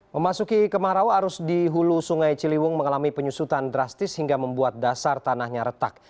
memasuki kemarau arus di hulu sungai ciliwung mengalami penyusutan drastis hingga membuat dasar tanahnya retak